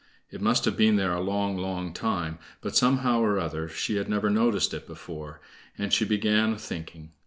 It must have been there a long, long time, but somehow or other she had never noticed it before, and she began a thinking.